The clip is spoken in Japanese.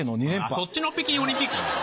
そっちの北京オリンピックね。